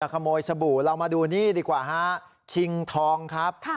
ขโมยสบู่เรามาดูนี่ดีกว่าฮะชิงทองครับ